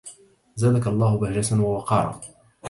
زادك الله بهجة ووقارا